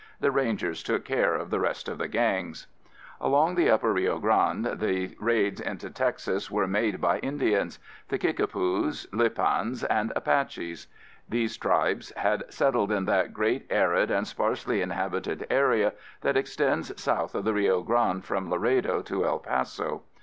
The Rangers took care of the rest of the gangs. Along the upper Rio Grande, the raids into Texas were made by Indians: the Kickapoos, Lipans and Apaches. These tribes had settled in that great arid and sparsely inhabited area that extends south of the Rio Grande from Laredo to El Paso.